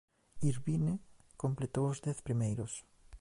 Irvine completou os dez primeiros.